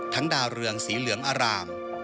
ดาวเรืองสีเหลืองอาราม